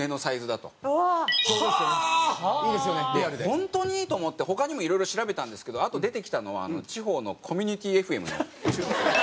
本当に？と思って他にもいろいろ調べたんですけどあと出てきたのは地方のコミュニティーＦＭの。